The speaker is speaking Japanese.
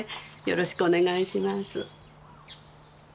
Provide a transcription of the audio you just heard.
よろしくお願いします。